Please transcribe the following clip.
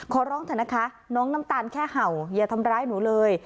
ขอร้องเถอะนะคะน้องน้ำตาลแค่เห่าอย่าทำร้ายหนูเลย